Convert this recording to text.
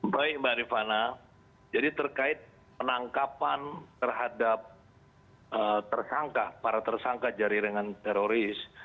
baik mbak rifana jadi terkait penangkapan terhadap tersangka para tersangka jaringan teroris